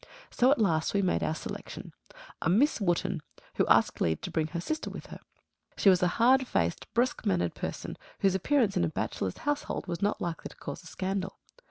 So at last we made our selection; a Miss Wotton, who asked leave to bring her sister with her. She was a hard faced brusque mannered person, whose appearance in a bachelor's household was not likely to cause a scandal.